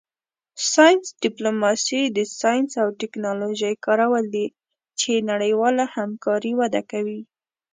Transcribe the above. ساینس ډیپلوماسي د ساینس او ټیکنالوژۍ کارول دي چې نړیواله همکاري وده کوي